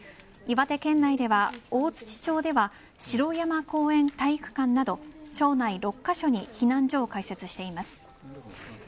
岩手県内では大槌町では城山公園体育館など町内６カ所に避難所を開設しています。